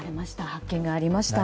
発見がありました。